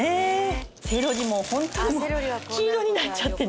セロリもホントにもう黄色になっちゃってね。